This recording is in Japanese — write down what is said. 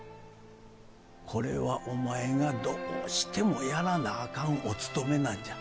これはお前がどうしてもやらなあかんおつとめなんじゃ。